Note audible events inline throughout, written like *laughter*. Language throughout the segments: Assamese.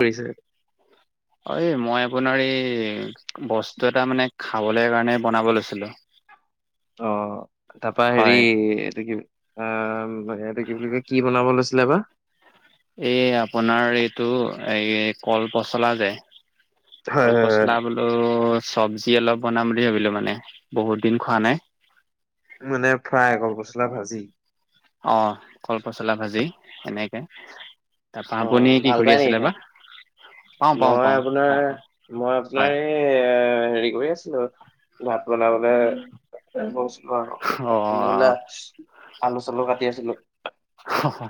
কৰিছে। অ' এ- মই আপোনাৰ এই বস্তু এটা মানে খাবলৈ কাৰণে বনাব লৈছিলো। অ তাপা হেৰি হয় এইটো কি অ'- উম- কে- কি বুলি কয়, কি বনাব লৈছিলে বা? এই আপোনাৰ এইটো এই কল পচলা যে হয় কল হয় হয়। পচলা বোলো চব্জি অলপ বনাম বুলি ভাবিলোঁ মানে। বহুত দিন খোৱা নাই। মানে ফ্ৰাই আকৌ কলপচলা ভাজি। অ' কলপচলা ভাজি এনেকে। তাপা অ আপুনি কি ভাল কৰি পাই নেকি আছিলে খাই? বা? পাওঁ পাওঁ মই পাওঁ ভাল পাওঁ আপোনাৰ- মই হয় আপোনাৰ এ হেৰি কৰি আছিলোঁ ৱা বনাবলে গৈছিলো অ আৰু *inaudible* আলু-চালু কাটি আছ *unintelligible* হঁ-হঁ,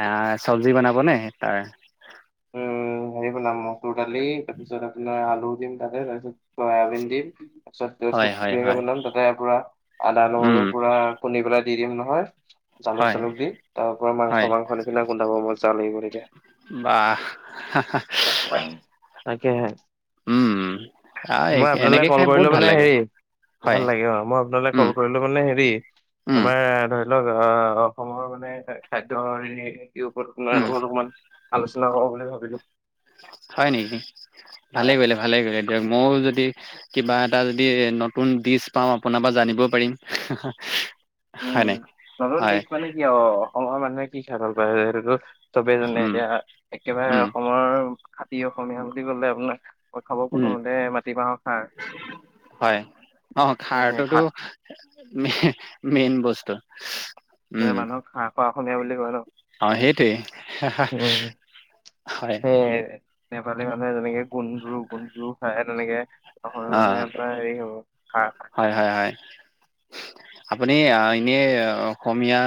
এ চব্জি বনাব নে তাৰ উম, হেৰি বনাম মচুৰ দালি, তাৰপিছত আপোনাৰ ৰৌ দিম তাতে, তাৰপিছত ছয়াবিন দিম। তাৰছত হয় হয় থুপথুপীয়াকে হয় বনাম। তাতে পুৰা উম আদা-নহৰু পুৰা খুন্দি পেলাই দি দিম নহয়। হয় জালুক-চালুক দি তাৰ পৰা হয় মাংস-মাংস নিচিনা গোন্ধাব। মজা লাগিব তেতিয়া। হাঁ - হাঁ। তাকে হে। উম- উম মই আপোনালৈ কল কৰিলো মানে হেৰি হয় ভাল লাগে আৰু মই আপোনালৈ উম, কল কৰিলো মানে হেৰি উম, আমাৰ ধৰি ধৰি লক আহ অসমৰ মানে খাদ্য হেৰি উম, *unintelligible* আলোচনা কৰো বুলি ভাবিলো। হয় নেকি, ভালে কৰিলে - ভালে কৰিলে দিয়ক মইও যদি কিবা এটা যদি নতুন দিচ পাওঁ আপোনাৰ পা জানিব পাৰিম। হা - হা উম, নতুন দিশ মানে কি আও অসমৰ মানুহে কি খাই ভাল পায় হেটোটো চবেই জানে উম, এতিয়া একেবাৰে উম, অসমৰ খাতী অসমীয়া বুলি ক'লে আপোনাৰ অত খাব উম, প্ৰথমতে মাটিমাহৰ খাৰ হয়, অ', উম, খাৰটোতো খাৰ মেইন বস্তু। মানে উম, মানুহক খাৰ খোৱা অসমীয়া বুলি কয় ন অহ সেইটোৱে। হা- হা উম, হয়। সেই নেপালী মানুহে যেনেকে গুন্ধ্ৰো- গুন্ধ্ৰো খাই তেনেকে অহ, মানে অ', আপোনাৰ হেৰি হ'ব শাক হয়, হয়, *inaudible* আপুনি এনে অসমীয়া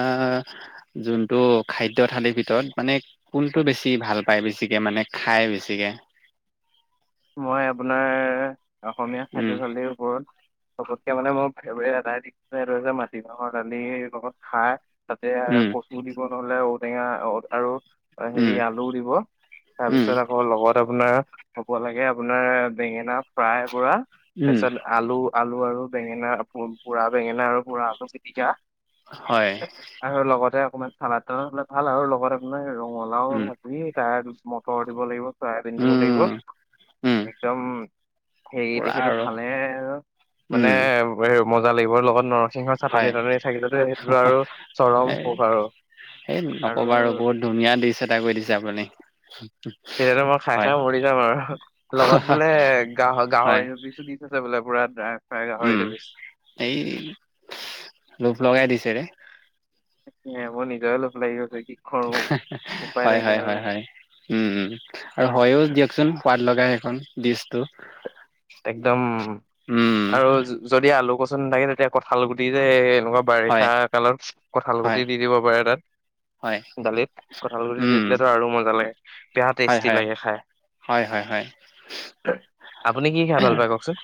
যোনটো খাদ্য থালিৰ ভিতৰত মানে কোনটো বেছি ভাল পায় বেছিকে মানে খাই বেছিকে? মই আপোনাৰ অসমীয়া উম। খাদ্য থালীৰ ওপৰত চবতকে মানে মোৰ ফেভৰেট এটাই দিশ এইটো যে মাটিমাহৰ দালিৰ লগত খাৰ তাতে উম, কচু দিব নহলে ঔটেঙা আৰু- উম, হেৰি আলুও দিব উম, তাৰপিছত আকৌ লগত আপোনাৰ বল লাগে আপোনাৰ বেঙেনা ফ্ৰাই কৰা, উম, তাৰছত আলু আলু আৰু বেঙেনা পুৰা, বেঙেনা আৰু পুৰা আলু পিটিকা হয়, আৰু লগতে অকমান চালাদ - তালাদ হলে ভাল আৰু লগত আপোনাৰ পলাও উম, ভাজি তাৰপিছ মটৰ দিব লাগিব, চয়াবিন দিব লাগিব উম, উম, একদম হেৰি পুৰা তেখেতো আৰু খালে আৰু মানে উম, মজা লাগিব লগত নৰসিংহৰ হয়, চাটনি -তাটনি থাকিলেতো সেইটো আৰু চৰম সুখ আৰু। সেই নকবা আৰু বহুত ধুনীয়া দিচ এটা কৈ দিছে আপুনি। তেহেতো মই খাই হয়, -খাই মৰি যাম আৰু লগত বোলে গা হয়, -গাহৰিৰো দুপিচো দি থৈছে বোলে। পুৰা ড্ৰাই -ফ্ৰাই গাহৰি উম, দুপিচ। এই লোভ লগাই দিছে ৰে ইয়ে মোৰ নিজৰে লোভ লাগি গৈছে কি কৰো উপায় হে হে হয় - হয় নাইকিয়া হৈ -হয় গৈছে -হয় উম উম আৰু হয়ো দিয়কচোন সোৱাদ লগা সেইখন ডিচটো। একদম উম, আৰু যদি আলু কচুনেথাকে তেতিয়া কঁঠালৰ গুটি দি যে এনেকুৱা হয়, বাৰিষা কালত কঠাল হয়, গুটি দি দিব পাৰে তাত। হয়, দালিত কঁঠাল গুটি দি উম, দিলেতো আৰু মজা ল বেয়া হয়, টেষ্টি হয়, লাগে খাই। হয়, হয়, হয়। আপুনি কি খাই ভাল পায় কওকচোন?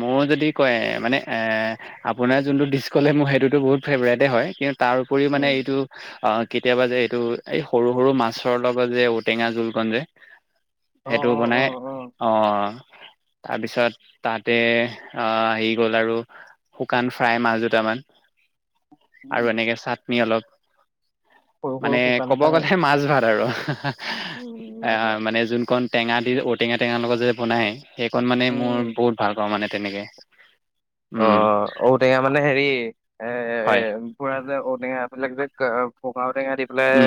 মই যদি কয় মানে এ' আপোনাৰ যোনটো ডিছ ক'লে মোৰ সেইটোতো বহুত ফেভৰেটে হয় কিন্ত তাৰ উপৰি মানে উম, এইটো অহ কেতিয়াবা যে এইটো এই সৰু -সৰু মাছৰ লগত যে ঔ-টেঙা জো জুলকন যে অ', সেইটো অ', বনাই অ', অ', অহ তাৰপিছত তাতে আহ হেৰি গ'ল আৰু শুকান ফ্ৰাই মাছ দুটামান উম, আৰু এনেকে চাটনি অলপ সৰু ম *inaudible* সৰু মানে শুকান ক'ব চাই গ'লে মাছ ভাত আৰু উম, মাছ বা এ' মানে যোনখন টেঙা দি টেঙা -টেঙা লগত যে বনাই সেইকণ মানে মোৰ উম। বহুত ভাল পাওঁ মানে তেনেকে। উম অহ, ঔটেঙা মানে হেৰি হয় এ' পুৰা যে ঔটেঙা এইবিলাক যে পকা ঔ-টেঙা দি পেলাই উম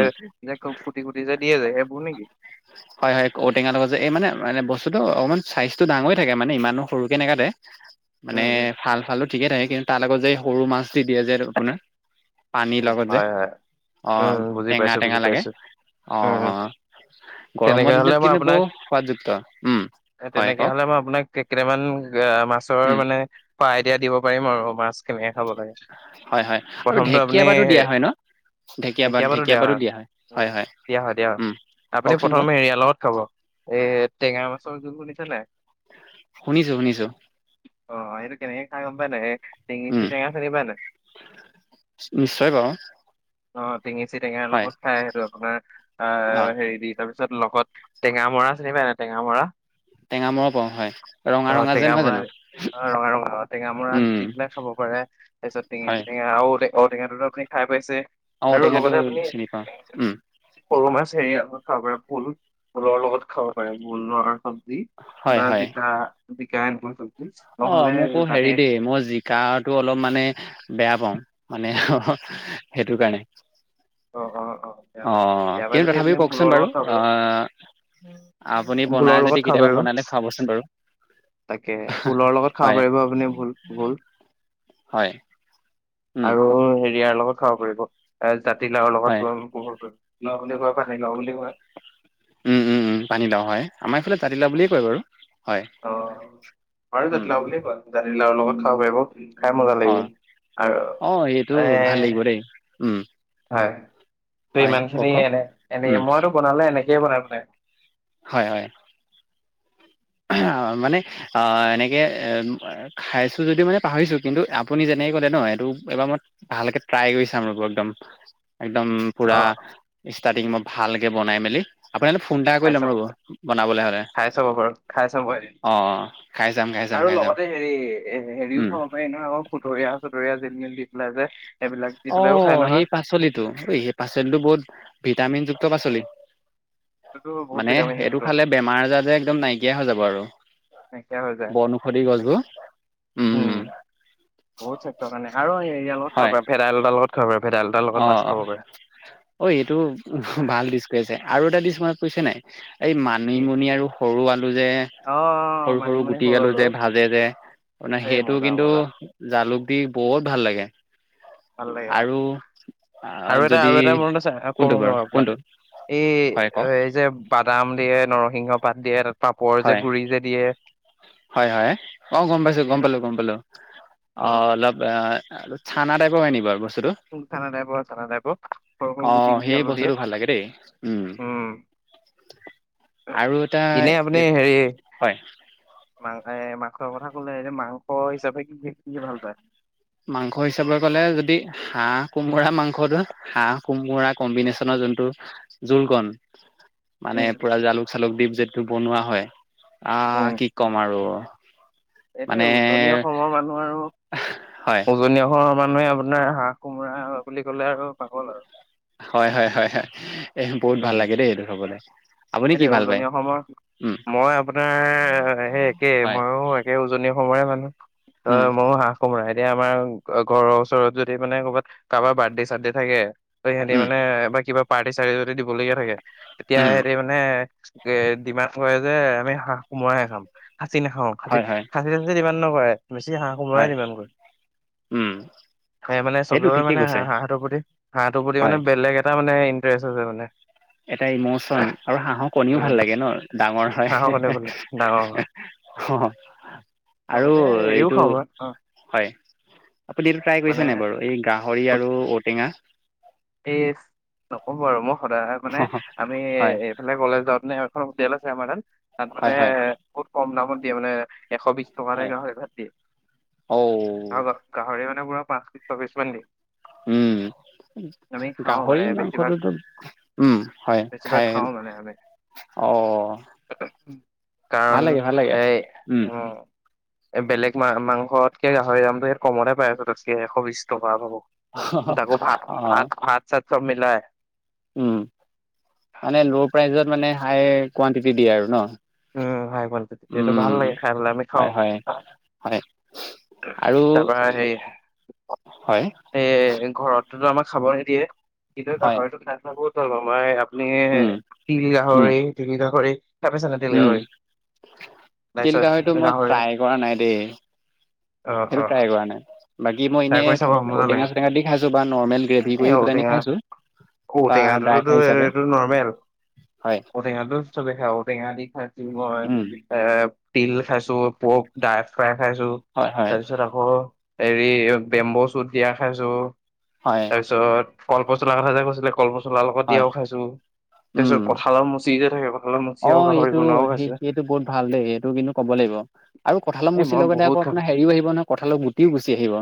যে কুটি- কুটি যে দিয়ে যে এবোৰ নেকি? হয় হয় ঔটেঙাৰ লগত যে এই মানে মানে বস্তুটো অকমান চাইজটো ডাঙৰয়েই থাকে মানে ইমানো সৰু কে নেকাতে। মানে উম, ভাল ভালটো ঠিকে থাকে কিন্তু তাৰ লগত যে, সৰু মাছ দিয়ে যে আপোনাৰ। পানীৰ উম, লগত যে। হয়, হয়, অ উম, বুজি টেঙা পাইছোঁ, টেঙা বুজি লাগে। পাইছোঁ, অঁ উম, উম, অঁ। তেনেকে গৰমৰ হ'লে দিনত মই কিন্তু আপোনাক বৰ সোৱাদযুক্ত। উম। হয় তেনেকে কওক হলে মই আপোনাক কেইটামান মাছৰ উম মানে, আইদিয়া দিব পাৰিম আৰু মাছ কেনেকে খাব লাগে। প্ৰথমটো আপুনি ঢেঁকীয়াপাটো দিয়া হয় ন? ঢেঁকীয়াপাত ঢেঁকীয়াপাত দিয়া হয়, হয় হয় দিয়া দিয়া হয়। উম। আপুনি কওকচোন কওক প্ৰথমে এৰিয়া লগত খাব এ টেঙা মাছৰ জোল শুনিছে নাই? শুনিছো শুনিছো। কেনেকৈ খাই গম পাই নাই? স টিঙেচি উম টেঙা চিনি পাই নাই? নিশ্চয় বাৰু। অ টেঙেচি টেঙাৰ হয়। লগত খাই, সেইটো আপোনাৰ অ আহ হেৰি দি তাৰপিছত তাৰপিছত লগত টেঙা মৰা চিনি পাই নাই টেঙা মৰা? টেঙামৰা পাওঁ হয় ৰঙা অ ৰঙা যে টেঙা নহয় মৰা জানো অ ৰঙা ৰঙা অ টেঙামৰা উম দি পেলাই খাব পাৰে, তাৰ পিছত হয়। টেঙেচি টেঙা আৰু ঔটেঙাটো ত' আপুনি খাই পাইছে। অ আৰু ঔটেঙাটো লগতে আপুনি চিনি পাওঁ উম সৰু মাছ হেৰিয়া খাব পাৰে 'ভোল' ভোলৰ লগত খাব পাৰে ভোলৰ চবজি হয় বা হয় জিকা *unintelligible* অ নহ'লে মোকো তাতে হেৰি দেই মই জিকাটো অলপ মানে বেয়া পাওঁ মানে সেইটো কাৰণে। অ অ বেয়া অ পায় বেয়া পায় কিন্তু যদি আপুনি তথাপিও ভোলৰ কওকচোন বাৰু লগত খাব পাৰিব আহ আপুনি ভোলৰ বনাই লগত যদি খাব কেতিয়াবা পাৰিব বনালে খাবচোন বাৰু। তাকে ভোলৰ লগত খাব হয় পাৰিব আপুনি। 'ভোল' 'ভোল ' হয় উম আৰু হেৰিয়াৰ লগত খাব পাৰিব জাতি লাউৰ হয় লগত, জাতি লাউ লগত জাতি লাউ বুলি কয় পানী লাউ বুলি কয়। উম উম উম পানী লাউ হয়। আমাৰ এইফালে জাতি লাউ বুলিয়ে কয় বাৰু। হয়, অ উম। জাতি লাউৰ লগত খাব পাৰিব, খাই মজা অ লাগিব। আৰু অ সেইটো এ ভাল লাগিব দেই উম হয় ত হয় ইমান কওক খিনি কওক এনে এনে উম মইটো বনালে এনেকেই বনাই বনাই হয় হয়। অ মানে অ এনেকে এ খাইছো যদিও মানে পাহৰিছো কিন্তু আপুনি যেনে কে কলে ন, এইটো এবাৰ মই ভালকে ট্ৰাই কৰি চাম ৰ'ব একদম। একদম অ পুৰা ষ্টাৰ্টিং মই ভালকে বনাই মেলি। আপোনালে ফোন এটা কৰি খাই ল'ম চাব ৰ'ব বনাবলৈ হ'লে। খাই চাব বাৰু খাই চাব এদিন। অ খাই চাম খাই চাম আৰু খাই চাম লগতে হেৰি এ হেৰিও উম খাব পাৰি নহয় আকৌ খুতুৰা চুতুৰা, জিল মিল দি। পেলাই যে এইবিলাক দি অ পেলাইও খাই নহয় সেই পাচলিটো, সেই পাচলিটো বহুত ভিটামিন। যুক্ত পাচলি, এইটো বহুত মানে এইটো ভিটামিনযুক্ত খালে বেমাৰ আজাৰ যে একদম নাইকিয়া হৈ যাব। আৰু নাইকিয়া হৈ যায় বনৌষধি তাকে গছবোৰ। উম। বহুত স্বাস্থ্য কাৰণে আৰু হাৰিয়া লগত খাব পাৰি ভেদাইলতাৰ লগত খাব পাৰে। ভেদাইলতাৰ লগত মাছ অঁ খাব পাৰে। অ এইটো ভাল দিছ কৈ আছে। আৰু এটা দিছ। মনত পৰিছে নাই? এই কি মানুিমুনি আৰু সৰু আলু যে। অ সৰু সৰু গুটি আলু যে ভাজে যে মানে এই সেইটো মজা কিন্তু মজা জালুক। দি বৰ ভাল লাগে। ভাল লাগে অ। আৰু আহ, আৰু এটা যদি আৰু এটা মনত আছে কম কোনটো বাৰু ৰ'ব আপোনাক কোনটো হয় কওক এই যে। বাদাম দিয়ে নৰসিংহ পাত দিয়ে তাত পাপৰ হয় যে গুৰি যে দিয়ে। হয় হয়, অ গম পাইছো গম সেইটো পালো গম পালো। অ অলপ আৰু চানা টাইপৰ হৈ নকি বাৰু বস্তুটো? ম থানা নাই পোৱা থানা নাইব। আহ সেই বস্তুটো ভাল লাগে দেই উম। আৰু এটা এনে আপুনি এ হেৰি হয়। মাং মাংসৰ কথা কলে মাংস হিচাপে কি খ কি কি ভাল পায়। মাংস হিচাপলৈ ক'লে যদি হাঁহ কোমোৰা মাংসটো হাঁহ কোমোৰা কম্বিনেশ্যনৰ। যোনটো জোলকণ। মানে উম পুৰা জালুক চালুক দিপ যটো বনোৱা হয় আহ উম কি ক'ম আৰু। *unintelligible* এইটোৱে মানে উজনি অসমৰ মানুহ আৰু হয় উজনি অসমৰ। মানুহে আপোনাৰ হাঁহ কোমোৰা বুলি ক'লে আৰু পাগল আৰু। হয় হয় হয় হয় এই বহুত ভাল লাগে দেই এইটো হবলৈ। এই দ উজনি অসমৰ মই আপোনাৰ সেই একে হয় ময়ো একে উজনি অসম। সমোমৰে মানুহ উম তই ময়ো হাঁহ সোমুৰাই। য়া আমাৰ ঘৰৰ ওচৰত যদি মানে কৰ'ৰবাত কাৰোবাৰ বাৰ্থডে চাৰ্থডে থাকে। ত সিহঁতি উম মানে বা কিবা পাৰ্টি চাৰ্টি যদি দিবলগীয়া থাকে উম তেতিয়াহ। মানে এ ডিমাড কৰে যে আমি হাঁহ কোমৰাাই খাম। খাচী নাখাওঁ খা হয় হয় খাচীটো ডিমাণ্ড নকৰে বেছি হাঁহ কোমৰাই হয় ডিমাণ্ড কৰে। উম স মানে সেইটো চবেে ঠিকেই মানে কৈছে হাঁ হাঁহটোৰ প্ৰতি হাঁহটোৰ প্ৰতি মানে হয় বেলেগ এটা মানে। আছে মানে। এটা ইম'চন আৰু হাঁহৰ কণীও উম ভাল লাগে ন ডাঙৰ। হাঁহক হয় হ'লে বোলে ডাঙৰ হয় অ আৰু লগতে হেৰিও এইটো। খাওঁ মই অ হয় আপুনি এইটো ট্ৰাই মানে কৰিছে ন বাৰু এই গাহৰি আৰু ঔটেঙা। এই নকব বাৰু মই সদায় মানে আমি হয় এইফালে কলেজ যত নে। হোটেল আছে আমাৰ তাত তাত মানে হয় হয় বহুত কম দামত দিয়ে মানে। এশ বিশ টকা হয় গাহৰি ভাত দিয়ে ঔ গ গাহৰি ভাত। বুঢ়া পাঁশ চবিছ মান দি। উম গাহৰি মানে বেছিভাগ মাংসটোতো। উম হয় বেছিভাগ খাই খাওঁ মানে আমি অ। ভাল কাৰণ লাগে ভাল লাগে এই উম। এ বেলেগ মা মাংসতকে গাহৰি দামটো ই কমতে পাই আছো ততকে এশ বিশ টকা পাব। তাকো ভাত অ ভাত ভাত চাত চব মিলাই। উম মানে ল' প্ৰাইজত মানে হাই কুৱানটিটি দিয়ে আৰু ন। উম ভাই বয়া এইটো উম ভাল লাগে খাইলে আমি খাওঁ। হয় হয় হয় আৰু তাৰপা সেই হয় সেই ঘৰত। আমাক খাব নিদিয়ে কিন্তু হয় গাহৰিতো খান খা বহুত ভাল প মই। মে উম তিল উম গাহৰি তিল গাহৰি চাই পাইছানে তিল উম গাহৰি। তিল তাৰপিছত গাহৰিটো মই গাহৰি ট্ৰাই কৰা নাই দেই অ', সেইটো অ', ট্ৰাই কৰা নাই *unintelligible* বাকী মই ট্ৰাই এনেই কৰি চাব মজা ঔটেঙা লাগে। চটেঙা দি খাইছো বা নৰ্মেল গ্ৰেভি কৰি পেলাইনি খাইছো *unintelligible* ঔটেঙাটো ড্ৰাইভাৰ হিচাপে এইটো নৰৰ্মেল হয় ঔটেঙা চবে খা ঔটেঙা দি খাই উম মই এ তিল খাইছো পক ডাই ফ্ৰাই খাইছো হয় হয় তাৰ পিছত আকৌ হেৰি বেম্ব চুত দিয়া খাইছো হয় তাৰপিছত কল্প চলাৰ কথা যে কৈছিলে ক কল পচলাৰ লগত হয় দিয়ও খাইছো তাৰ পিছত পঠালত মচি যে থাকে *unintelligible* আৰু অঁ গাহৰি এইটো বনোৱাও স খাইছিলে সেটো বহুত ভাল দেই এইটো কিন্তু ক'ব লাগিব আৰু কঠাঁলৰ এ মুচিৰ মই লগতে বহুত আকৌ খাম আপুনি হেৰিও আহিব নহয় কঠালৰ গুটিও গুচি আহিব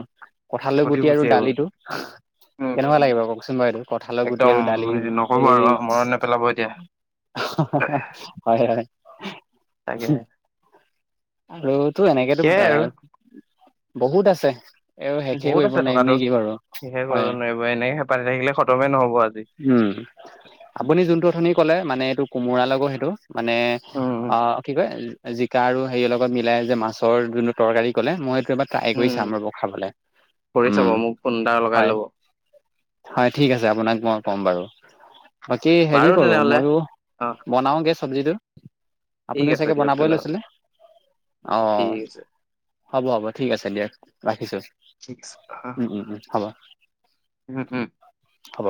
কঠালৈ গধুৰ গুটি আৰু গুচি আহিব। দালিটো উম কেনেকুৱা উম। লাগিব কওকচোন বাৰু এইটো কঁঠালৰ গুটি একদম আৰু দালি নক'ব এ আৰু মনত নেপেলাব এতিয়া *unintelligible* হয় হয় তাকে আৰু তো এনেকেতো সেয়াই আৰু বহুত আছে। এই শেষে বহুত কৰিব আছে নোৱাৰিম থকাতো নেকি বাৰু ঠিকে হয় কৰিব নোৱাৰিব এনেকে হেপাতি থাকিলে খতমে নহব আৰু *unintelligible* উম আপুনি যোনটো অথনি কলে মানে এইটো কোমোৰা লিগে সেইটো। *unintelligible* মানে উম। উম অ কি কয়। জিকা আৰু হেৰি লগত মিলাই যে মাছৰ যোনটো তৰকাৰী ক'লে মই। এবা ট্ৰাই কৰি উম। চাম ৰ'ব খাবলে কৰি উম চাব মোক ফোন এটা লগাই হয়। ল'ব হয় ঠিক আছে আপোনাক মই। ক'ম বাৰু বাকী হেৰি বাৰু কৰো তেনেহ'লে ময়ো অ' বনাওগে চব্জিটো। ঠিক আপুনিও আছে চাগে দিয়ক বনাবই তেনেহ'লে লৈছিলে অ। ঠিক আছে। হ'ব হ'ব ঠিক আছে দিয়ক ৰাখিছো। আছে উম হম। *unintelligible* হ'ব।